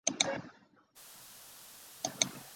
艾奥瓦镇区为美国堪萨斯州多尼芬县辖下的镇区。